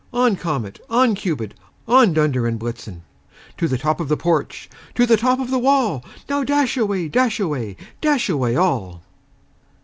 On! Comet, on! Cupid, on! Dunder and Blitzen To the top of the porch, to the top of the wall! Now, dash away, dash away, dash away all!"